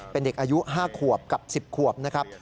เป็นเด็กอายุ๕ขวบกับ๑๐ขวบนะครับ